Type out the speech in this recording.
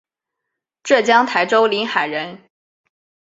浙江台州临海人。